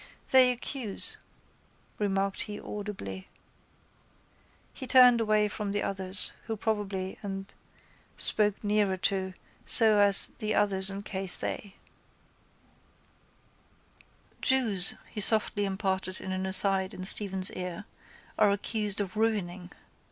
—They accuse, remarked he audibly. He turned away from the others, who probably… and spoke nearer to, so as the others… in case they… —Jews, he softly imparted in an aside in Stephen's ear, are accused of ruining.